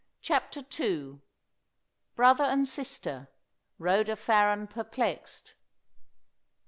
CHAPTER II. BROTHER AND SISTER. RHODA FARREN PERPLEXED.